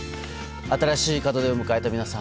新しい門出を迎えた皆さん